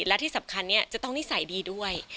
และที่สำคัญจะต้องนิสัยดีด้วย